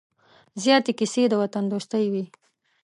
زیاتې کیسې د وطن دوستۍ وې.